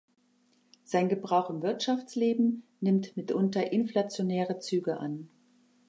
Sein Gebrauch im Wirtschaftsleben nimmt mitunter inflationäre Züge an.